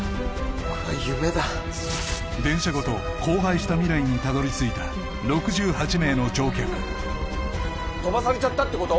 これは夢だ電車ごと荒廃した未来にたどり着いた６８名の乗客飛ばされちゃったってこと？